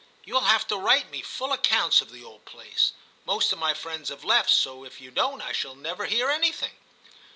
You will have to write me full accounts of the old place ; most of my friends have left, so if you don't I shall never hear anything.